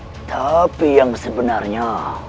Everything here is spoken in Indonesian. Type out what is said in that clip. tetapi yang sebenarnya